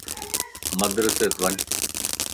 مدرسيت وڃ